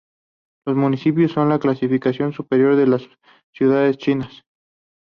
Los municipios son la clasificación superior de las ciudades chinas.